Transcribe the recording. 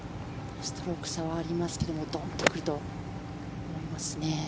ストローク差はありますけどドンと来ると思いますね。